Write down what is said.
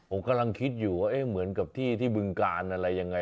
ผมกำลังคิดอยู่ว่าเหมือนกับที่ที่บึงการอะไรยังไง